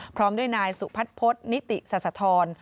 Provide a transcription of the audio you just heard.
พร้อมด้วยนายสุพัฒนพฤษนิติสัสธร